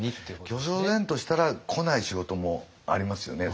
巨匠然としたら来ない仕事もありますよね